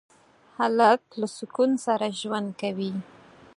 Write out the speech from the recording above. هلک له سکون سره ژوند کوي.